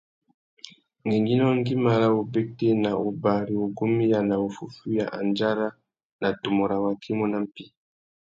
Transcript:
Ngüéngüinô ngüimá râ wubétēna, wubari, wugumiya na wuffúffüiya andjara na tumu râ waki i mú nà mpí.